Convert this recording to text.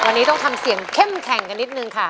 วันนี้ต้องทำเสียงเข้มแข็งกันนิดนึงค่ะ